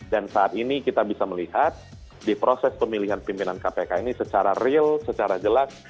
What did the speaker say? dan saat ini kita bisa melihat di proses pemilihan pimpinan kpk ini secara real secara jelas